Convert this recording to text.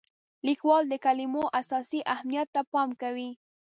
لیکوال د کلمو اساسي اهمیت ته پام کوي.